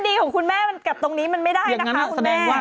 ดีของคุณแม่มันกลับตรงนี้มันไม่ได้นะคะคุณแม่